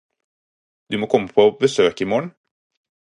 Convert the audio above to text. Du må komme på besøk i morgen.